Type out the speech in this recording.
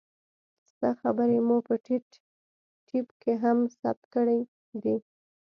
ستا خبرې مو په ټېپ هم کښې ثبت کړې دي.